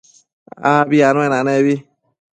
Abi anuenanebi